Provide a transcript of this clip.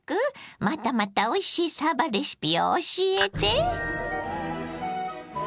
またまたおいしいさばレシピを教えて。